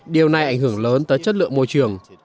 điều này ảnh hưởng lớn tới chất lượng môi trường